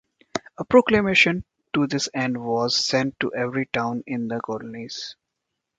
A proclamation to this end was sent to every town in the colonies.